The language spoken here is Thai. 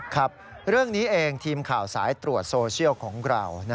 ครับเรื่องนี้เองทีมข่าวสายตรวจโซเชียลของเรา